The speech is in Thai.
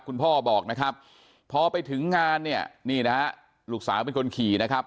คุณพ่อบอกนะครับพอไปถึงงานเนี่ยนี่นะฮะลูกสาวเป็นคนขี่นะครับ